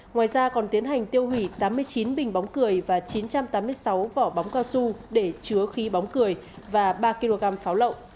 ngoài ra còn tiến hành tiêu hủy tám mươi chín bình bóng cười và chín trăm tám mươi sáu vỏ bóng cao su để chứa khí bóng cười và ba kg pháo lậu